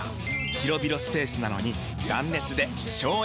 広々スペースなのに断熱で省エネ！